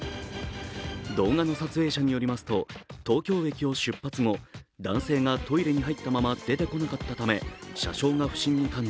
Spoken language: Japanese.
動画の撮影者によりますと東京駅を出発後男性がトイレに入ったまま出てこなかったため、車掌が不審に感じ